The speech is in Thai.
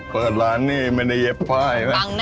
เปิดร้านนี่ไม่ได้เย็บไฟล์นะ